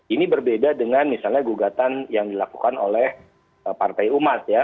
ini berbeda dengan misalnya gugatan yang dilakukan oleh partai umat ya